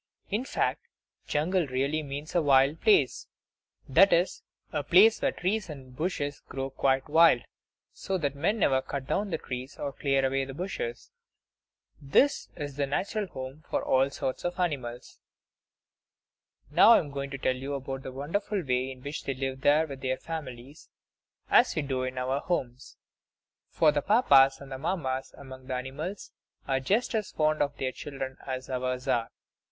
In fact, jungle really means a wild place; that is, a place where trees and bushes grow quite wild, so that men never cut down the trees or clear away the bushes. That is the natural home for all sorts of animals. Now I am going to tell you about the wonderful way in which they live there with their families, as we do in our homes; for the Papas and Mammas among the animals are just as fond of their children as ours are.